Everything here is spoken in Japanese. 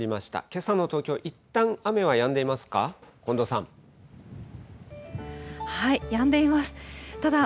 けさの東京、いったん雨はやんでいますか。